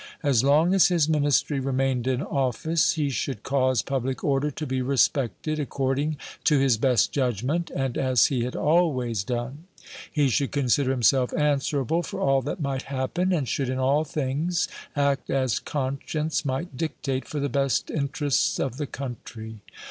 As long as his Ministry remained in office he should cause public order to be respected, according to his best judgment, and as he had always done. He should consider himself answerable for all that might happen, and should in all things act as conscience might dictate for the best interests of the country."